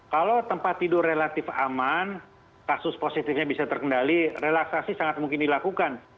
kalau tempat tidur relatif aman kasus positifnya bisa terkendali relaksasi sangat mungkin dilakukan